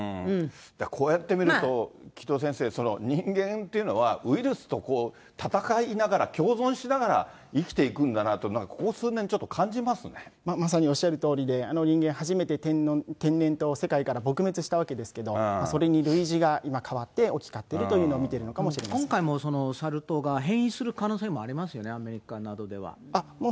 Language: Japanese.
こうやって見ると、城戸先生、人間っていうのはウイルスと闘いながら、共存しながら生きていくんだなというのが、まさにおっしゃるとおりで、人間、初めて天然痘を世界から撲滅したわけですけど、それにるいじが今変わって置き換わっているっていうのを見てるの今回もサル痘が変異する可能性もありますよね、アメリカなどでは。